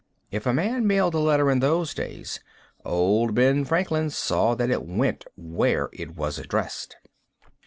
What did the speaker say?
If a man mailed a letter in those days, old Ben Franklin saw that it went where it was addressed.